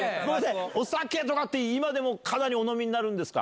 お酒とかって今でもかなりお飲みになるんですか？